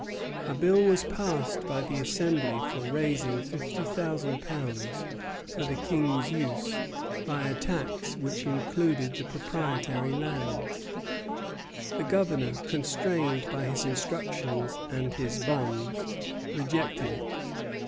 A bill was passed by the Assembly for raising fifty thousand pounds for the King's use by a tax which included the proprietary lands. The Governor, constrained by his instructions and his bonds, rejected it.